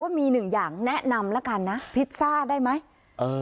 มีหนึ่งอย่างแนะนำแล้วกันนะพิซซ่าได้ไหมเออ